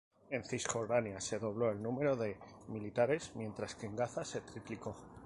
En Cisjordania se dobló el número de militares mientras que en Gaza se triplicó.